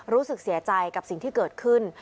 รู้สึกเสียใจกับสิ่งที่เกิดขึ้น